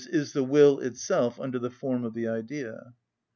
_, is the will itself under the form of the idea.